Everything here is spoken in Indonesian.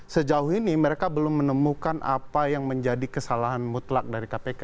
sejauh ini mereka belum menemukan apa yang menjadi kesalahan mutlak dari kpk